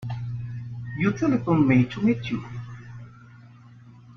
You telephoned me to meet you.